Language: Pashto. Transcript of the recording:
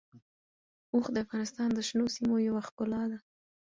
اوښ د افغانستان د شنو سیمو یوه ښکلا ده.